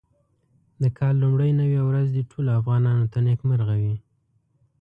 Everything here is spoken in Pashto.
د کال لومړۍ نوې ورځ دې ټولو افغانانو ته نېکمرغه وي.